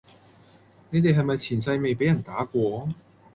你地係咪前世未比人打過?